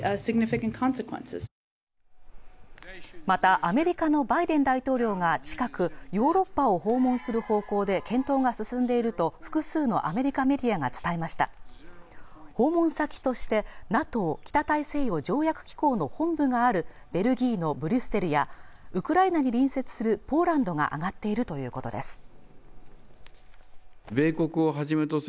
またアメリカのバイデン大統領が近くヨーロッパを訪問する方向で検討が進んでいると複数のアメリカメディアが伝えました訪問先としてＮＡＴＯ＝北大西洋条約機構の本部があるベルギーのブリュッセルやウクライナに隣接するポーランドが上がっているということです